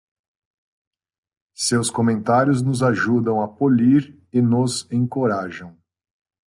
Seus comentários nos ajudam a polir e nos encorajam.